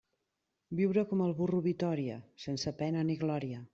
Viure com el burro Vitòria, sense pena ni glòria.